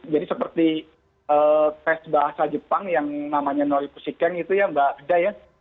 jadi seperti tes bahasa jepang yang namanya nori pusikeng itu ya mbak fida ya